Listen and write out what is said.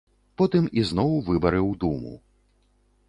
Потым ізноў выбары ў думу.